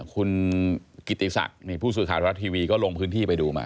คุณกิติศักดิ์ผู้สื่อข่าวรัฐทีวีก็ลงพื้นที่ไปดูมา